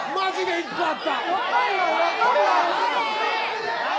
１個あったやん。